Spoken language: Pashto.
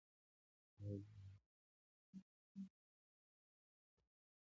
دا د زبېښونکو بنسټونو کنټرول پر سر شخړې وې